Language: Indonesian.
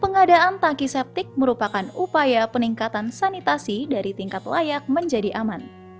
pengadaan tangki septik merupakan upaya peningkatan sanitasi dari tingkat layak menjadi aman